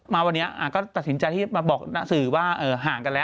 มาวันนี้ก็ตัดสินใจที่มาบอกหน้าสื่อว่าห่างกันแล้ว